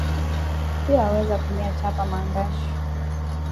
Pia waweza tumia Chapa mandashi